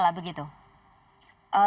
tidak ada kendala